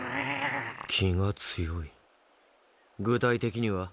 気が強い具体的には？